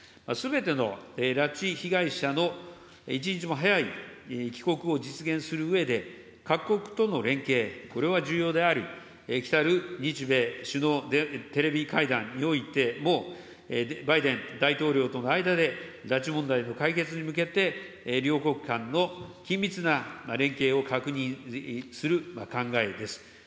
すべての拉致被害者の一日も早い帰国を実現するうえで、各国との連携、これは重要であり、来たる日米首脳テレビ会談においても、バイデン大統領との間で、拉致問題の解決に向けて、両国間の緊密な連携を確認する考えです。